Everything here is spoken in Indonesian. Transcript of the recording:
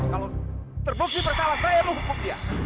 kalau terbukti perkala saya